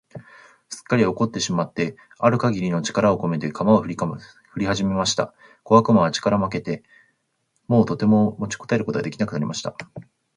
すっかり怒ってしまってある限りの力をこめて、鎌をふりはじました。小悪魔は力負けして、もうとても持ちこたえることが出来なくなりました。